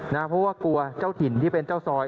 เพราะว่ากลัวเจ้าถิ่นที่เป็นเจ้าซอย